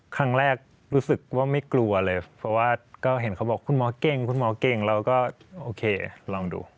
ครั้งแรกรู้สึกว่าไม่กลัวเลยเพราะว่าก็เห็นเขาบอกคุณหมอเก่งคุณหมอเก่งเราก็โอเคลองดู